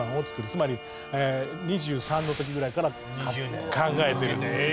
つまり２３の時ぐらいから考えてるんです。